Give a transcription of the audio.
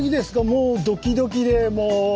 もうドキドキでもう。